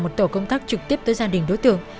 một tổ công tác trực tiếp tới gia đình đối tượng